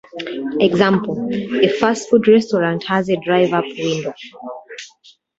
Example: A fast food restaurant has a drive-up window.